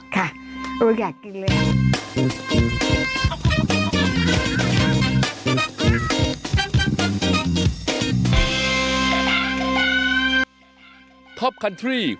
ค่ะโอ้อยากกินเลย